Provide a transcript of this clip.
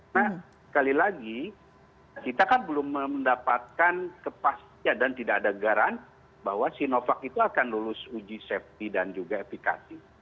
nah sekali lagi kita kan belum mendapatkan kepastian dan tidak ada garan bahwa sinovac itu akan lulus uji safety dan juga efikasi